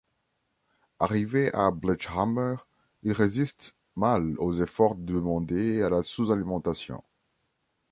Arrivé à Blechhammer, il résiste mal aux efforts demandés et à la sous-alimentation.